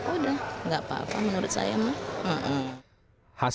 udah tidak apa apa menurut saya